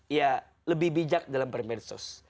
ya lebih bijak dalam bermedsos